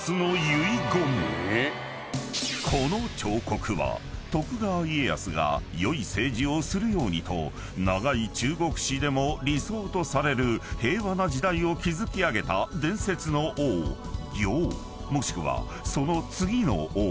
［この彫刻は徳川家康が善い政治をするようにと長い中国史でも理想とされる平和な時代を築き上げた伝説の王堯もしくはその次の王舜］